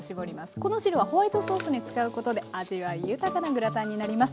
この汁はホワイトソースに使うことで味わい豊かなグラタンになります。